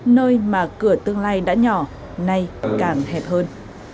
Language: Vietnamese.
nơi mà cửa tương lai đã nhỏ nay càng hẹp hơn